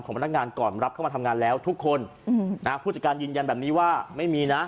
พนักงานก่อนรับเข้ามาทำงานแล้วทุกคนอืมนะฮะผู้จัดการยืนยันแบบนี้ว่าไม่มีนะ